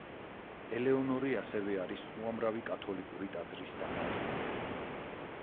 ელეონორი ასევე არის უამრავი კათოლიკური ტაძრის დამაარსებელი.